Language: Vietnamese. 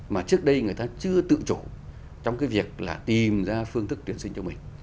mà trước đây người ta chưa tự chủ trong cái việc là tìm ra phương thức tuyển sinh cho mình